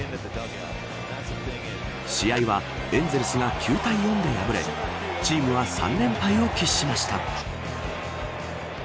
試合はエンゼルスが９対４で敗れチームは３連敗を喫しました。